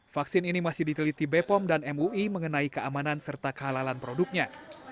vaksin ini masih diteliti bepom dan mui mengenai keamanan serta kehalalan produknya